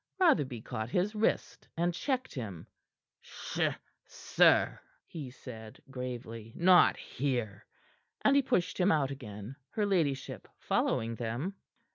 Rotherby caught his wrist and checked him. "Sh! sir," he said gravely. "Not here." And he pushed him out again, her ladyship following them.